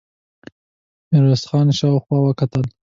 ميرويس خان شاوخوا وکتل.